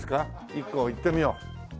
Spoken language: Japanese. １個いってみよう。